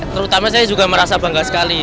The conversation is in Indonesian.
terutama saya juga merasa bangga sekali